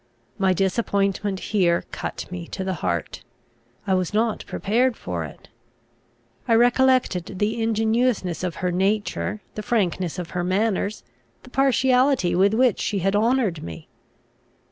My disappointment here cut me to the heart. I was not prepared for it. I recollected the ingenuousness of her nature, the frankness of her manners, the partiality with which she had honoured me.